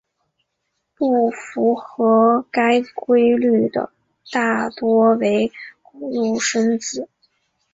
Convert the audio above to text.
不符合该规律的大多为古入声字。